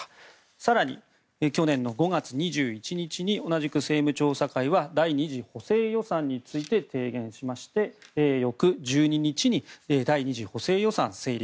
更に、去年５月２１日に同じく政務調査会は第２次補正予算について提言しまして翌１２日に第２次補正予算成立。